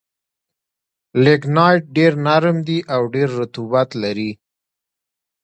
لېګنایټ ډېر نرم دي او ډېر رطوبت لري.